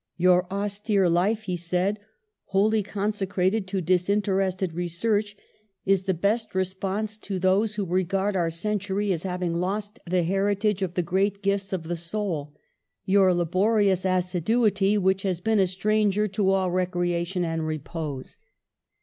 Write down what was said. ''Your austere life," he said, "wholly conse crated to disinterested research, is the best re 146 PASTEUR sponse to those who regard our century as hav ing lost the heritage of the great gifts of the soul. Your laborious assiduity has been a stranger to all recreation and repose."